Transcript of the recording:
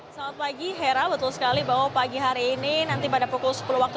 selamat pagi hera betul sekali bahwa pagi hari ini nanti pada pukul sepuluh waktu